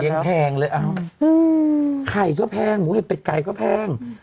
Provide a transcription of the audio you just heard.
ยังแพงเลยอ้าวไข่ก็แพงหมูเห็ดเป็ดไก่ก็แพง